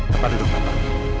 tempat hidup bapak